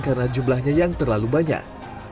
karena jumlahnya yang terlalu banyak